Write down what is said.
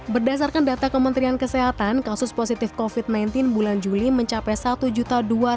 berdasarkan data kementerian kesehatan kasus positif covid sembilan belas bulan juli mencapai satu dua ratus dua puluh lima tujuh ratus enam puluh lima kasus